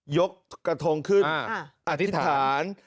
กระทงขึ้นอธิษฐาน